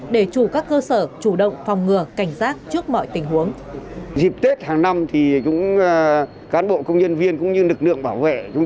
để chủ các cơ sở chủ động phòng ngừa cảnh giác trước mọi tình huống